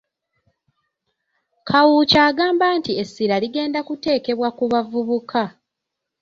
Kawuki agamba nti essira ligenda kuteekebwa ku bavubuka .